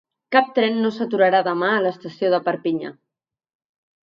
Cap tren no s’aturarà demà a l’estació de Perpinyà.